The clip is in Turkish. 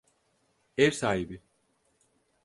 Ev sahibi.